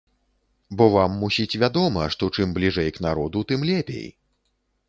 Бо вам, мусіць, вядома, што чым бліжэй к народу, тым лепей!